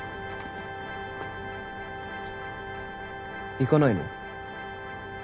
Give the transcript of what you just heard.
行かないの？